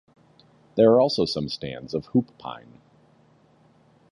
There are also some stands of hoop pine.